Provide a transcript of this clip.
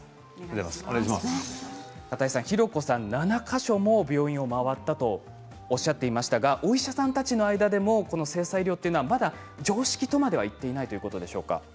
ひろこさん７か所も病院を回ったとおっしゃっていましたがお医者さんたちの間でも性差医療まだ常識とまでいっていないっていうことですか。